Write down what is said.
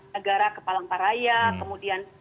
negara ke palangkaraya kemudian